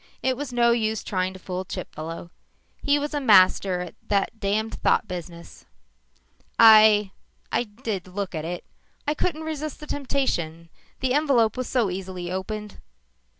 It was no use trying to fool Chipfellow. He was a master at that damned thought business. "I I did look at it. I couldn't resist the temptation. The envelope was so easily opened."